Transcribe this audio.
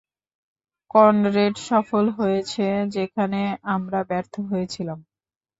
Conrad সফল হয়েছে যেখানে আমরা ব্যর্থ হয়েছিলাম।